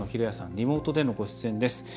リモートでのご出演です。